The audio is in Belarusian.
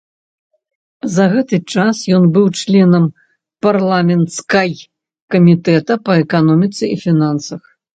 За гэты час ён быў членам парламенцкай камітэта па эканоміцы і фінансах.